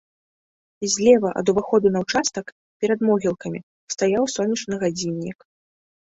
Злева ад уваходу на ўчастак, перад могілкамі, стаяў сонечны гадзіннік.